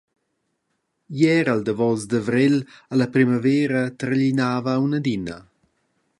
Ei era il davos d’avrel e la primavera targlinava aunc adina.